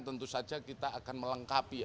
tentu saja kita akan melengkapi